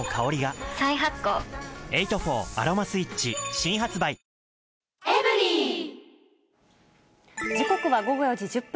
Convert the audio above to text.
新発売時刻は午後４時１０分。